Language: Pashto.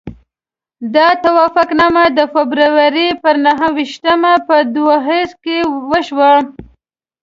دا توافقنامه د فبروري پر نهه ویشتمه په دوحه کې وشوه.